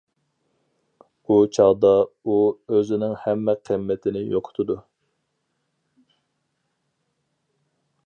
ئۇ چاغدا ئۇ ئۆزىنىڭ ھەممە قىممىتىنى يوقىتىدۇ.